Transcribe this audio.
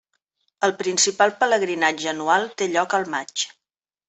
El principal pelegrinatge anual té lloc al maig.